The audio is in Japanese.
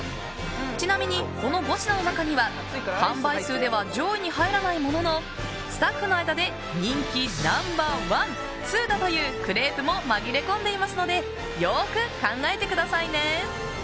ちなみに、この５品の中には販売数では上位に入らないもののスタッフの間で人気ナンバー１、２だというクレープも紛れ込んでいますのでよく考えてくださいね。